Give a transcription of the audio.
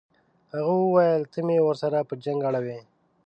هغه وویل ته مې ورسره په جنګ اړوې.